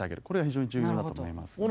これが非常に重要だと思います。